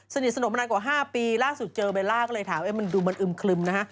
สนิทสนมมานานกว่า๕ปีล่าสุดเจอเบลล่าก็เลยถามมันดูมันอึมคลึมนะฮะ